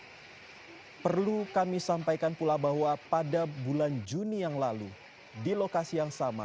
nah perlu kami sampaikan pula bahwa pada bulan juni yang lalu di lokasi yang sama